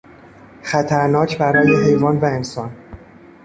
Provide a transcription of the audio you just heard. خطرناک برای حیوان و انسان